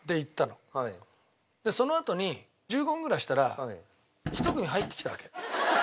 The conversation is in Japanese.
そのあとに１５分ぐらいしたら１組入ってきたわけ。